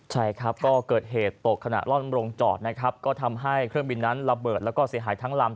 ใช่ครับก็เกิดเหตุตกขณะล่อนโรงจอดนะครับก็ทำให้เครื่องบินนั้นระเบิดแล้วก็เสียหายทั้งลำ